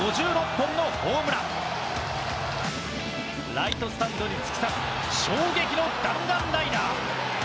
ライトスタンドに突き刺す衝撃の弾丸ライナー。